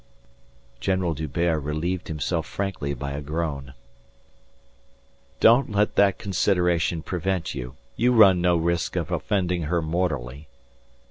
General D'Hubert relieved himself frankly by a groan. "Don't let that consideration prevent you. You run no risk of offending her mortally."